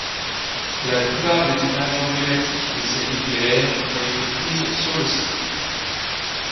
La plupart des images emblématiques d'essais nucléaires ont été prises sur le site.